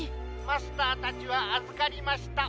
☎マスターたちはあずかりました。